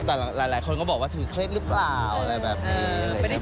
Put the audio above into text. แต่หลายคนก็บอกว่าถือเคล็ดหรือเปล่าอะไรแบบนี้